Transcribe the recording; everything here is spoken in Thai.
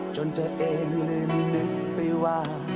จนเธอเองลืมนึกไปว่า